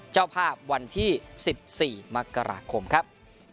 เจ้าภาพวันที่๑๔มกราคมครับ